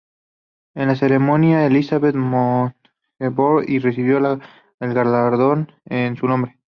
En la ceremonia, Elizabeth Montgomery recibió el galardón en su nombre.